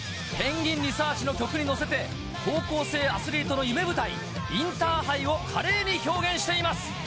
ＰＥＮＧＵＩＮＲＥＳＥＡＲＣＨの曲に乗せて高校生アスリートの夢舞台インターハイを華麗に表現しています。